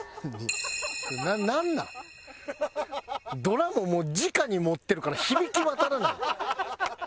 ドラもじかに持ってるから響き渡らない。